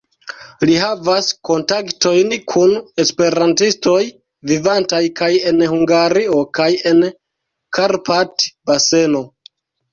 Li havas kontaktojn kun esperantistoj, vivantaj kaj en Hungario, kaj en Karpat-baseno.